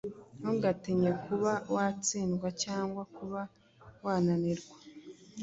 Ntugatinye kuba watsindwa cyangwa kuba wananirwa